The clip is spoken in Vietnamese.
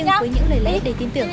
thế nhưng với những lời lẽ để tin tưởng